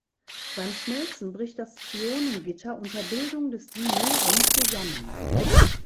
Beim Schmelzen bricht das Ionengitter unter Bildung des Dimeren zusammen.